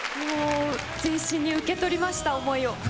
全身に受け取りました思いを。